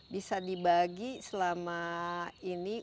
bisa dibagi selama ini